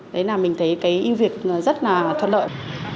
đấy là mình thấy cái ưu việt rất là thuận lợi